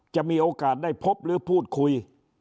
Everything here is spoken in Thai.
จะมีโอกาสได้พบหรือพูดคุย